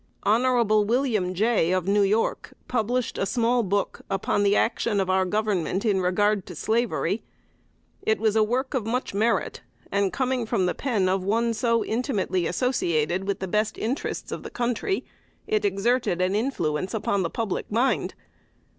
Hon. William Jay, of New York, published a small book upon the action of our Government in regard to slavery. It was a work of much merit, and, coming from the pen of one so intimately associated with the best interests of the country, it exerted an influence upon the public mind.